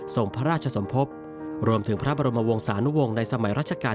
ส่งพระราชสมภพรวมถึงพระบรมวงศานุวงศ์ในสมัยรัชกาล